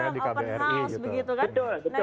open house ya di kbri